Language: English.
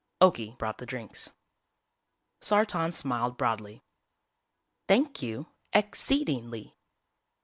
Okie brought the drinks. Sartan smiled broadly. "Thank you ex ceed ing ly."